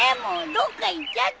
どっか行っちゃったよ。